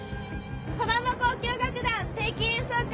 児玉交響楽団定期演奏会